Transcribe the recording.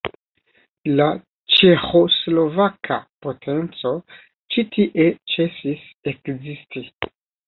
La ĉeĥoslovaka potenco ĉi tie ĉesis ekzisti.